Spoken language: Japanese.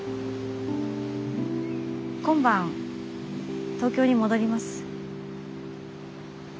今晩東京に戻ります。